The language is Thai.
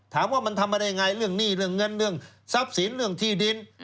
ถามว่ามันทำมาได้ยังไงเรื่องหนี้เรื่องเงินเรื่องทรัพย์สินเรื่องที่ดิน